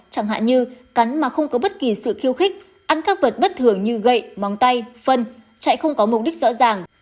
chẳng hạn như cắn mà không có bất kỳ sự khiêu khích ăn các vật bất thường như gậy móng tay phân chạy không có mục đích rõ ràng